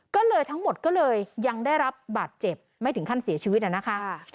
ก็เลยทั้งหมดก็เลยยังได้รับบาดเจ็บไม่ถึงขั้นเสียชีวิตนะคะ